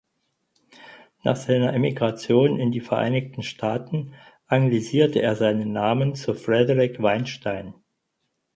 Nach seiner Emigration in die Vereinigten Staaten anglisierte er seinen Namen zu Frederick Weinstein.